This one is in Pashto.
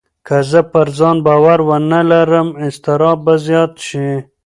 که زه پر ځان باور ونه لرم، اضطراب به زیات شي.